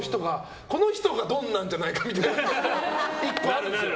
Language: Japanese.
この人がドンなんじゃないかってあるんですよ。